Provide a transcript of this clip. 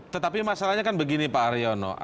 tetapi masalahnya kan begini pak haryono